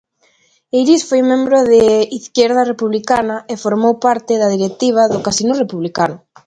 Eirís foi membro de Izquierda Republicana e formou parte da directiva do Casino Republicano.